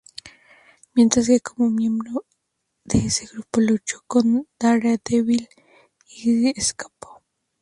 Mientras que como miembro de ese grupo, luchó con Daredevil y escapó.